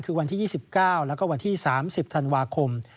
คือวันที๒๙และ๓๐ธนวาคม